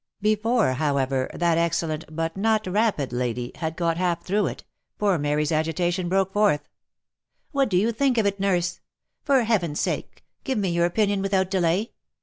Before, however, that excellent, but not rapid lady, had got half through it, poor Mary's agitation broke forth— " What do you think of it, nurse ? for Heaven's sake, give me your opinion without delay